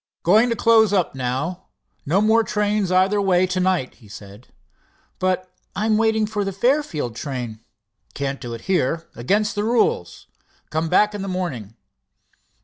"Going to close up. No more trains either way to night," he said. "But I'm waiting for the Fairfield train." "Can't do it here. Against the rules. Come back in the morning."